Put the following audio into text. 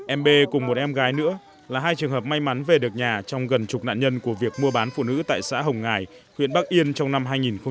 em b cùng một em gái nữa là hai trường hợp may mắn về được nhà trong gần chục nạn nhân của việc mua bán phụ nữ tại xã hồng ngài huyện bắc yên trong năm hai nghìn một mươi tám